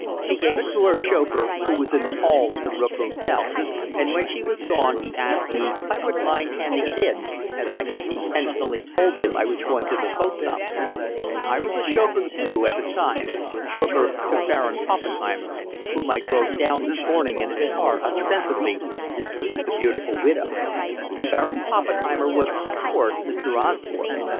She gave it to her chauffeur, who was in the hall at the Rook Hotel, and when she was gone he asked me if I would mind handing it in, as I had intentionally told him I was going to the post office. I was a chauffeur, too, at the time, chauffeur to 'Baron Poppenheimer,' whom I drove down this morning in his car ostensibly to see the beautiful widow. 'Baron Poppenheimer' was, of course, Mr. Osborne.